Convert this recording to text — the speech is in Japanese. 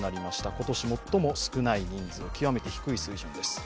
今年最も少ない人数、極めて低い水準です。